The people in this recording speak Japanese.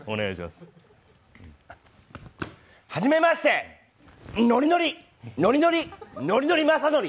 はじめまして、ノリノリ、ノリノリノリノリ雅紀。